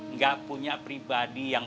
nggak punya pribadi yang